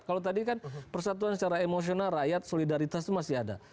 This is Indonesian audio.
kalau tadi kan persatuan secara emosional rakyat solidaritas itu masih ada